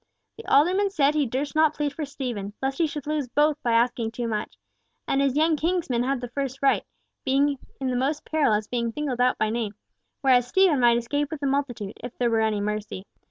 The alderman said he durst not plead for Stephen, lest he should lose both by asking too much, and his young kinsman had the first right, besides being in the most peril as having been singled out by name; whereas Stephen might escape with the multitude if there were any mercy.